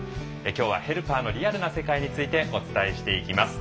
今日はヘルパーのリアルな世界についてお伝えしていきます。